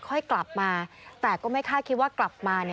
ค่อยกลับมาแต่ก็ไม่คาดคิดว่ากลับมา